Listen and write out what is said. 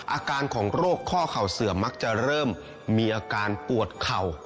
อาการของโรคข้อเข่าเสื่อมมักจะเริ่มมีอาการปวดเข่า